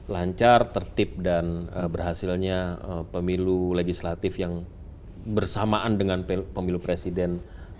lancar tertib dan berhasilnya pemilu legislatif yang bersamaan dengan pemilu presiden dua ribu sembilan belas